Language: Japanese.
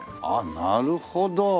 あっなるほど。